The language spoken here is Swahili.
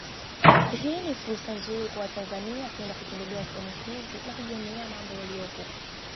Hii ni fursa nzuri kwa watanzania kwenda kutembelea sehemu hizi na kujionea mambo yaliyopo